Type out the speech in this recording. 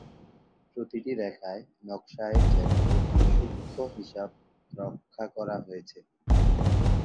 প্রতিটা রেখায়, নকশায় যেন অতি সূক্ষ্ম হিসাব রক্ষা করা হয়েছে।